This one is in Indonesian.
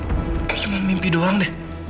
kayaknya cuman mimpi doang deh